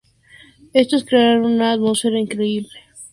Estos crearon una atmósfera increíble, por eso es una introducción increíble.